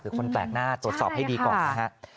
คือคนแปลกหน้าตรวจสอบให้ดีกว่า